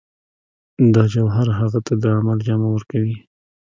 دا جوهر هغه ته د عمل جامه ورکوي